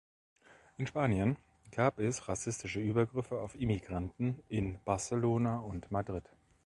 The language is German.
In Spanien gab es rassistische Übergriffe auf Immigranten in Barcelona und Madrid.